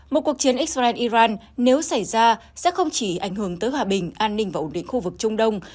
một cuộc chiến israel iran nếu xảy ra sẽ không chỉ ảnh hưởng tới hòa bình an ninh và ổn định khu vực trung đông